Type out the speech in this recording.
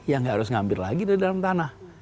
ya nggak harus ngambil lagi dari dalam tanah